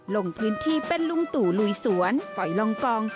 ลงพื้นที่เป็นลุงตู่ลุยสวนฝอยลองกอง